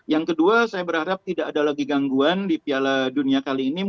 yang kedua saya berharap tidak ada lagi gangguan di piala dunia kali ini